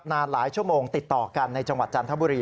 นานหลายชั่วโมงติดต่อกันในจังหวัดจันทบุรี